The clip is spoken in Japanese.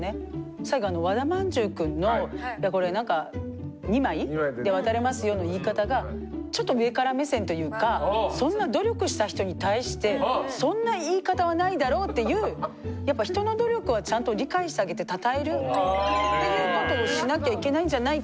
最後和田まんじゅうくんの「２枚で渡れますよ」の言い方がちょっと上から目線というかそんな努力した人に対してそんな言い方はないだろうっていうやっぱ人の努力はちゃんと理解してあげて称えるっていうことをしなきゃいけないんじゃないかっていうのも思いましたね。